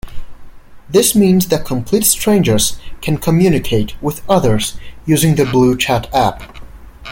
This means that complete strangers can communicate with others using the BlueChat app.